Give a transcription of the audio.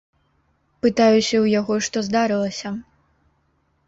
Пытаюся ў яго, што здарылася?